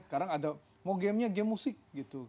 sekarang ada mau gamenya game musik gitu